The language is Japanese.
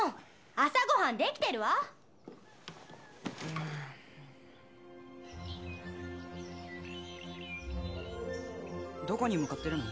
朝ご飯できてるわうんどこに向かってるの？